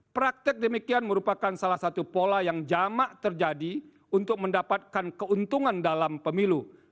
praktek demikian merupakan salah satu pola yang jamak terjadi untuk mendapatkan keuntungan dalam pemilu